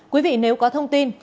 quý vị nếu có thông tin